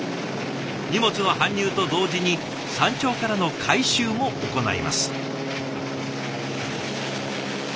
荷物の搬入と同時に山頂からの回収も行います。